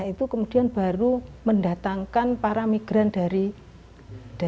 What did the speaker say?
nah itu kemudian baru mendatangkan para migran dari madura